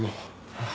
ああ。